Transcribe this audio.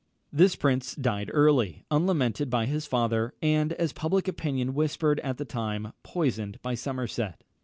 This prince died early, unlamented by his father, and, as public opinion whispered at the time, poisoned by Somerset.